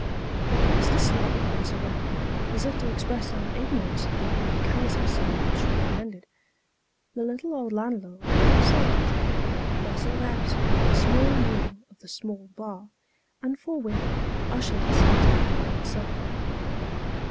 We cast a slight glance around, as if to express our ignorance of the locality so much recommended. The little old landlord observed it ; bustled out of the small door of the small bar ; and forthwith ushered us into the parlour itself.